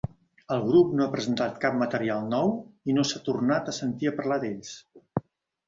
El grup no ha presentat cap material nou i no s'ha tornat a sentit a parlar d'ells.